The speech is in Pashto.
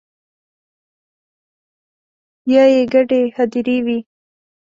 یا يې ګډې هديرې وي